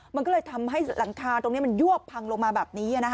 มันก็เลยทำให้หลังคาตรงนี้มันยวบพังลงมาแบบนี้